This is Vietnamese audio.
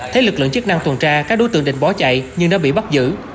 thấy lực lượng chức năng tuần tra các đối tượng định bỏ chạy nhưng đã bị bắt giữ